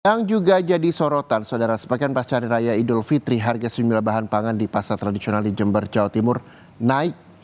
yang juga jadi sorotan saudara sebagian pasca hari raya idul fitri harga sejumlah bahan pangan di pasar tradisional di jember jawa timur naik